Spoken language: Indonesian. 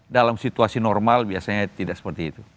dalam situasi normal biasanya tidak seperti itu